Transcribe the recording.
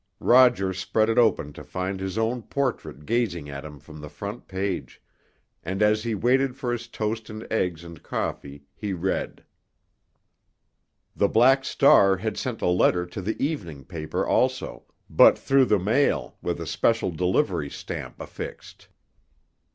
Roger spread it open to find his own portrait gazing at him from the front page, and as he waited for his toast and eggs and coffee he read. The Black Star had sent a letter to the evening paper also, but through the mail, with a special delivery stamp affixed.